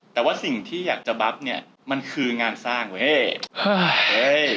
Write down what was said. แต่ว่าสิ่งที่อยากจะบับเนี่ยมันคืองานสร้างเว้ย